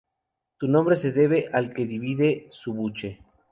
Su nombre se debe al que divide su buche.